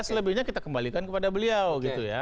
selebihnya kita kembalikan kepada beliau